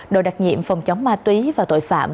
đội đặc nhiệm phòng chống ma túy và tội phạm